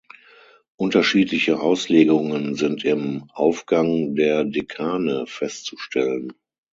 Unterschiedliche Auslegungen sind im „Aufgang der Dekane“ festzustellen.